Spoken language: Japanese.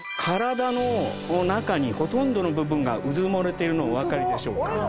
体の中にほとんどの部分がうずもれているのお分かりでしょうか。